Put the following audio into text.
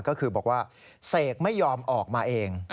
ก็คือบอกว่าเสกไม่ยอมออกมาเอง